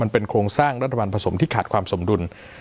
เป็นโครงสร้างรัฐบาลผสมที่ขาดความสมดุล